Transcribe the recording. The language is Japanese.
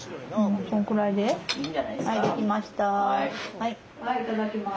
はいいただきます。